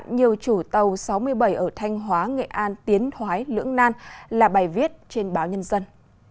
nhiều chủ tàu sáu mươi bảy ở thanh hóa nghệ an tiến thoái lưỡng nan là bài viết trên báo nhân dân